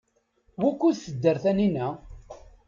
Wukud tedder Taninna?